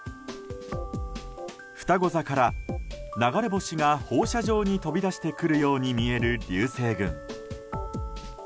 ふたご座から流れ星が放射状に飛び出してくるように見える流星群。